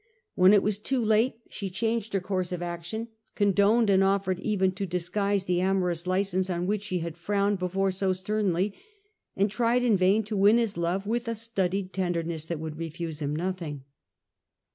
When it was too late, she changed her course of action, condoned and offered even to disguise the amorous license on which she had frowned before so sternly, and tried in vain to win his love with a studied tenderness that would refuse him nothing.